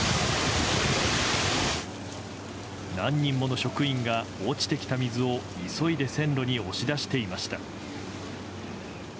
何人もの職員が落ちてきた水を急いで線路に押し出していました。